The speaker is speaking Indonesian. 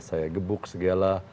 saya gebuk segala